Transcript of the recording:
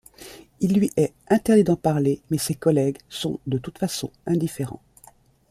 Il lui est interdit d'en parler, mais ses collègues sont de toute façon indifférents.